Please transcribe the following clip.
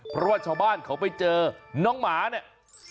เพราะว่าชาวบ้านเขาไปเจอน้องหมาเนี่ย